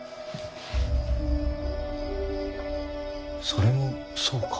それもそうか。